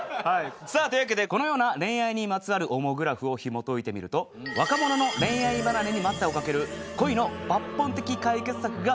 さあというわけでこのような恋愛にまつわるオモグラフをひもといてみると若者の恋愛離れに待ったをかける恋の抜本的解決策が見えてきました。